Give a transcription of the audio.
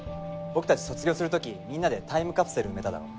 僕たち卒業する時みんなでタイムカプセル埋めただろ？